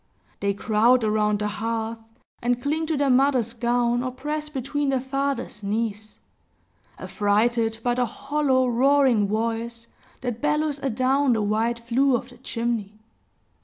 They crowd around the hearth, and cling to their mother's gown, or press between their father's knees, affrighted by the hollow roaring voice, that bellows a down the wide flue of the chimney.